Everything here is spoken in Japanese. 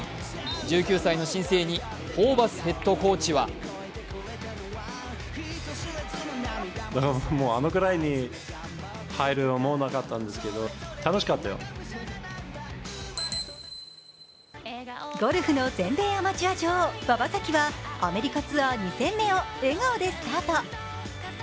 １９歳の新星にホーバスヘッドコーチはゴルフの全米アマチュア女王馬場咲希はアメリカツアー２戦目を笑顔でスタート。